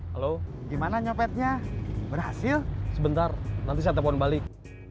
lalu gimana nyopetnya berhasil sebentar nanti saya telepon balik